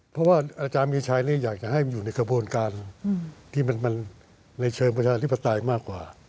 เพราะว่าอาจารย์มีชัยอยากจะให้มันอยู่ในกระบวนการที่มันในเชิงประชาธิปไตยมากกว่า